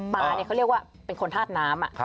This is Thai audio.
เขาเรียกว่าเป็นคนธาตุน้ำ